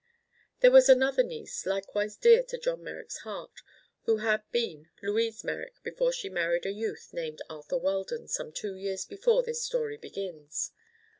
There was another niece, likewise dear to John Merrick's heart, who had been Louise Merrick before she married a youth named Arthur Weldon, some two years before this story begins.